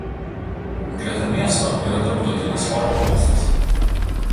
Greta miesto yra tarptautinis oro uostas.